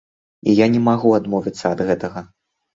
І я не магу адмовіцца ад гэтага.